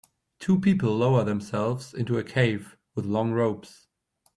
Two people lower themselves into a cave with long ropes.